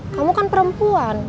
kamu kan perempuan